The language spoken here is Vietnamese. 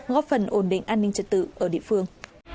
góp phần ổn định an ninh trật tự ở địa phương